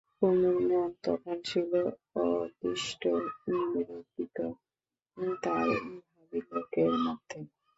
কুমুর মন তখন ছিল অদৃষ্টনিরূপিত তার ভাবীলোকের মধ্যে।